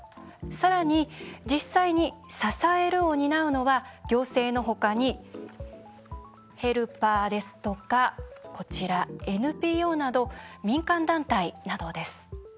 さらに実際に支えるを担うのは行政の他に、ヘルパーですとかＮＰＯの民間団体などです。